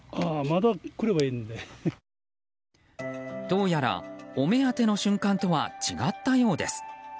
どうやらお目当ての瞬間とは違ったようです。